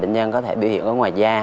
bệnh nhân có thể biểu hiện ở ngoài da